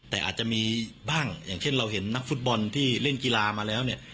แต่อาจจะมีบ้างอย่างเช่นเราเห็นนักฟุตบอลที่เล่นกีฬามาแล้วเนี่ย